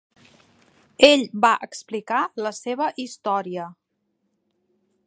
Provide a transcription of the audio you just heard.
Ell va explicar la seva història.